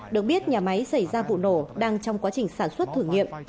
được biết nhà máy xảy ra vụ nổ đang trong quá trình sản xuất thử nghiệm